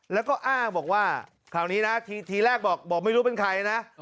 แล้วก็อ้างบอกว่าคราวนี้นะทีแรกบอกไม่รู้เป็นใครนะ